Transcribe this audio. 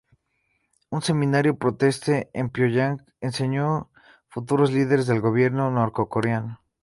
Un seminario protestante en Pionyang enseñó a futuros líderes del gobierno norcoreano.